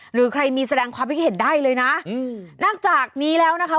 หรือใครมีแสดงความคิดเห็นได้เลยนะอืมนอกจากนี้แล้วนะคะ